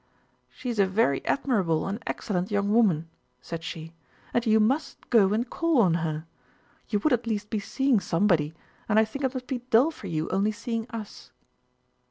"She is a very admirable and excellent young woman," said she, "and you must go and call on her. You would at least be seeing somebody, and I think it must be dull for you only seeing us."